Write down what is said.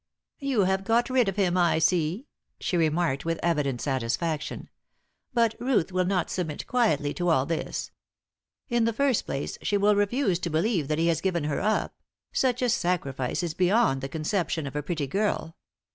"You have got rid of him, I see," she remarked, with evident satisfaction. "But Ruth will not submit quietly to all this. In the first place, she will refuse to believe that he has given her up; such a sacrifice is beyond the conception of a pretty girl.